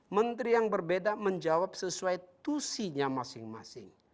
menteri yang berbeda menjawab sesuai tusinya masing masing